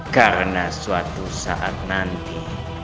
karena suatu saat nanti